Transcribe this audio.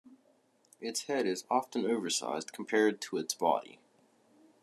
Its head is often oversized compared to its body.